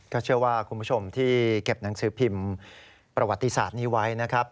ก็เชื่อว่าคุณผู้ชมที่เก็บหนังสือพิมพ์ประวัติศาสตร์นี้ไว้นะครับ